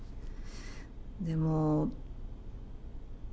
でも。